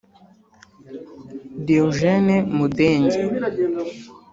Diogène Mudenge